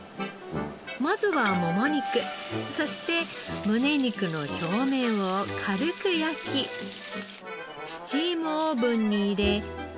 まずはもも肉そして胸肉の表面を軽く焼きスチームオーブンに入れ